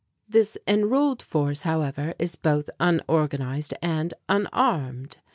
This enrolled force, however, is both unorganized and unarmed.